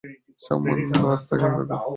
সামান্য আস্থা কায়েম রাখো।